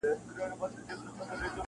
بیګا خوب وینم پاچا یمه سلطان یم-